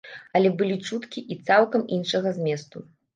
Але былі чуткі і цалкам іншага зместу.